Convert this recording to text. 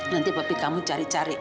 nanti bapi kamu cari cari